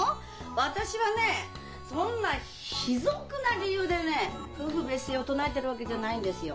私はねそんな卑俗な理由でね夫婦別姓を唱えているわけじゃないんですよ。